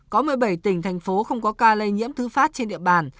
có một mươi bảy tỉnh thành phố không có ca lây nhiễm thứ phát trên địa bàn